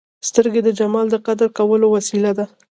سترګې د جمال د قدر کولو وسیله ده